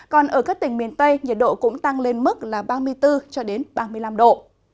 còn ở các tỉnh miền tây nhiệt độ cũng tăng lên mức là ba mươi bốn cho đến ba mươi năm độ